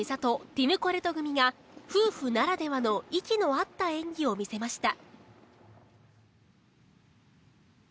ティム・コレト組が夫婦ならではの息の合った演技を見せました。